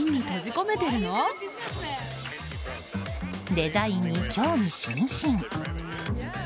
デザインに興味津々。